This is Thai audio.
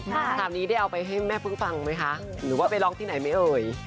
คราวนี้ได้เอาไปให้แม่พึ่งฟังไหมคะหรือว่าไปร้องที่ไหนไหมเอ่ย